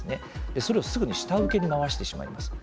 それをすぐに下請けに回してしまいます。